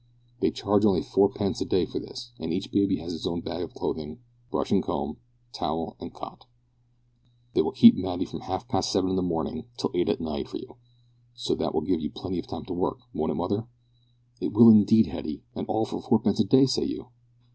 They charge only fourpence a day for this, and each baby has its own bag of clothing, brush and comb, towel and cot. They will keep Matty from half past seven in the morning till eight at night for you, so that will give you plenty of time to work, won't it, mother?" "It will indeed, Hetty, and all for fourpence a day, say you?"